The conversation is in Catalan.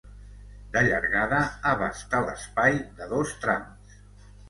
De llargada, abasta l'espai de dos trams.